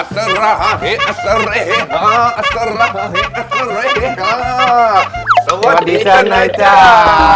สวัสดีค่ะหน่อยจ้า